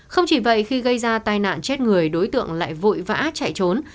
không chỉ vậy khi gây ra tai nạn chết người đối tượng lại vội vã chạy trốn